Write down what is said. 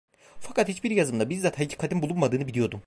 Fakat hiçbir yazımda bizzat hakikatin bulunmadığını biliyordum.